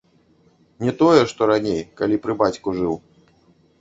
Не тое, што раней, калі пры бацьку жыў.